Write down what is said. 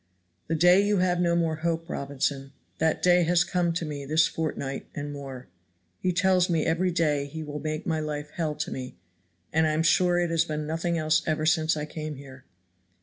"The day you have no more hope, Robinson; that day has come to me this fortnight and more. He tells me every day he will make my life hell to me, and I am sure it has been nothing else ever since I came here."